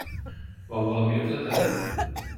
Van valami ötleted?